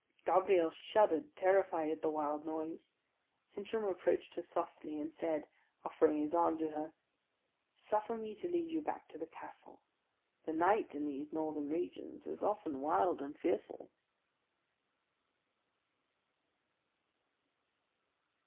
Gabrielle shuddered, terrified at the wild noise. Sintram approached her softly, and said, offering his arm to her: "Suffer me to lead you back to the castle. The night in these northern regions is often wild and fearful."